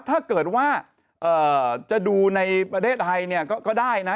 ถ้าเกิดว่าจะดูในประเทศไทยเนี่ยก็ได้นะ